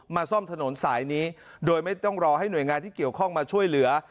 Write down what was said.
ซ่อมถนนสายนี้โดยไม่ต้องรอให้หน่วยงานที่เกี่ยวข้องมาช่วยเหลือ